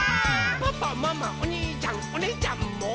「パパママおにいちゃんおねぇちゃんも」